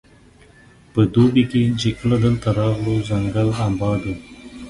په دوبي کې چې کله دلته راغلو ځنګل اباد وو.